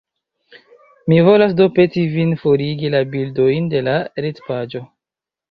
Mi volas do peti vin forigi la bildojn de la retpaĝo.